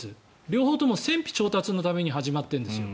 両方とも戦費調達のために始まってるんですよ。